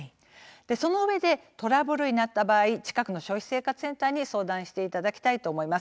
そのうえでトラブルになった場合、近くの消費生活センターに相談していただきたいと思います。